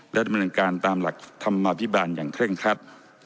และการตามหลักธรรมพิบาลอย่างเคร่งครัฐ